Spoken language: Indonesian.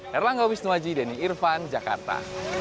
herlangga wisnuwaji denny irvan jakarta